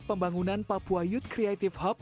pembangunan papua youth creative hub